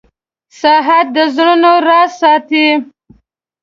• ساعت د زړونو راز ساتي.